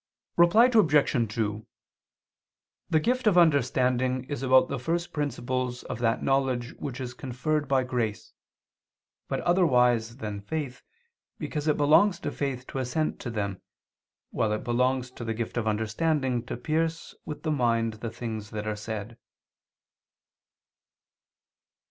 Reply Obj. 2: The gift of understanding is about the first principles of that knowledge which is conferred by grace; but otherwise than faith, because it belongs to faith to assent to them, while it belongs to the gift of understanding to pierce with the mind the things that are said.